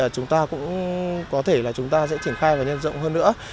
chúng ta cũng có thể là chúng ta sẽ triển khai và nhân rộng hơn nữa